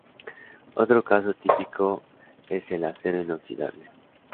Otro caso típico es el acero inoxidable.